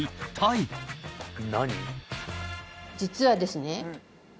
実はですね